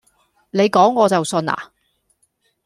你講我就信呀